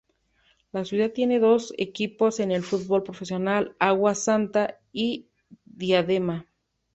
La ciudad tiene dos equipos en el fútbol profesional: Água Santa y Diadema.